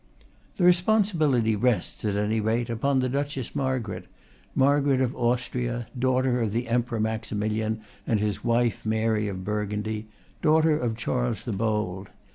The responsibility rests, at any rate, upon the Duchess Margaret, Margaret of Austria, daughter of the Emperor Maximilian and his wife Mary of Bur gundy, daughter of Charles the Bold.